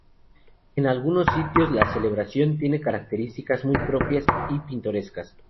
En algunos sitios la celebración tiene características muy propias y pintorescas.